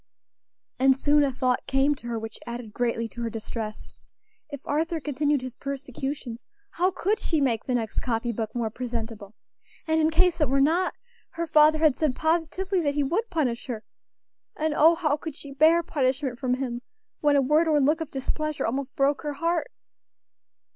And soon a thought came to her which added greatly to her distress. If Arthur continued his persecutions, how could she make the next copy book more presentable? and in case it were not, her father had said positively that he would punish her; and oh! how could she bear punishment from him, when a word or look of displeasure almost broke her heart?